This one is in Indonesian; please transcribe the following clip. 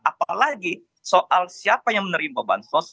apalagi soal siapa yang menerima bantuan sosial